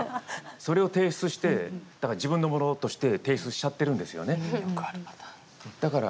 それを提出してだから自分のものとして提出しちゃってるんですよね。